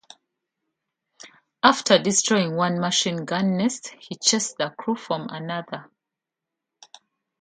After destroying one machine-gun nest he chased the crew from another.